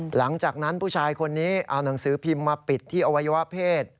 หลังจากนั้นผู้ชายคนนี้เอาหนังสือพิมพ์มาปิดที่อวัยวะเพศ